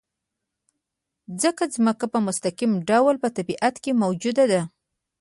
ځکه ځمکه په مستقیم ډول په طبیعت کې موجوده ده.